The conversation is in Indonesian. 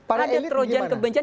ada terojan kebencian